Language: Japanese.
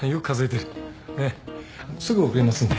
すぐ送りますんで。